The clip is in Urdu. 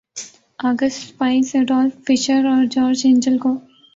آ گسٹ سپائز ‘ایڈولف فشر اور جارج اینجل کو